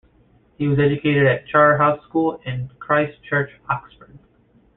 He was educated at Charterhouse School and Christ Church, Oxford.